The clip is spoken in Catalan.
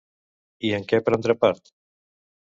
I en què prendrà part?